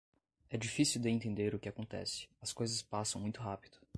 É difícil de entender o que acontece, as coisas passam muito rápido.